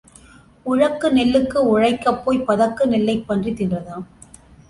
உழக்கு நெல்லுக்கு உழைக்கப் போய்ப் பதக்கு நெல்லைப் பன்றி தின்றதாம்.